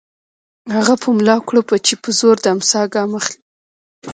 هغه په ملا کړوپه چې په زور د امساء ګام اخلي